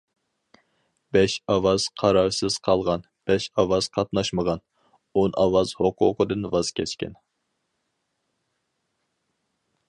بەش ئاۋاز قارارسىز قالغان، بەش ئاۋاز قاتناشمىغان، ئون ئاۋاز ھوقۇقىدىن ۋاز كەچكەن.